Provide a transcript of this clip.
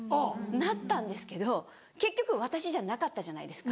なったんですけど結局私じゃなかったじゃないですか。